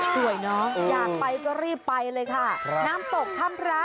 สวยเนอะอยากไปก็รีบไปเลยค่ะน้ำตกถ้ำพระ